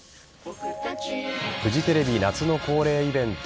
フジテレビ夏の恒例イベント